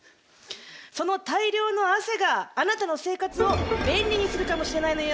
その大量の汗があなたの生活を便利にするかもしれないのよ。